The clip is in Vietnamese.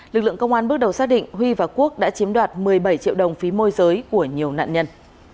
lực lượng công an bước đầu xác định huy và quốc đã chiếm đoạt một mươi bảy triệu đồng phí môi giới của nhiều nạn nhân